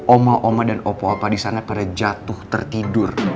oma oma dan opo opo disana pada jatuh tertidur